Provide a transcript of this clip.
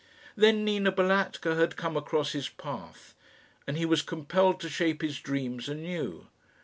Then Nina Balatka had come across his path, and he was compelled to shape his dreams anew.